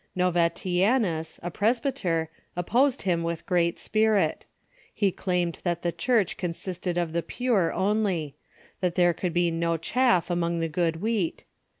Novatianus, a presbyter, opposed him with great spirit. Ho claimed that the Church consisted of the pure only ; that there could be no chaff among the good wheat.